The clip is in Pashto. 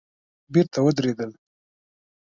بېرته ودرېدل.